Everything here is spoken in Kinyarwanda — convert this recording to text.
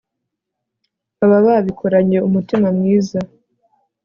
baba babikoranye umutima mwiza